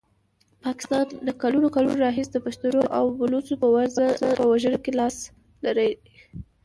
پاکستان له کلونو کلونو راهیسي د پښتنو او بلوڅو په وژنه کې لاس لري.